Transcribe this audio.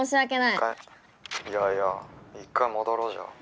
「いやいや一回戻ろう？じゃあ」。